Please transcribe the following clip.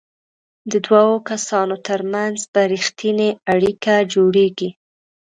د دوو کسانو ترمنځ به ریښتینې اړیکه جوړیږي.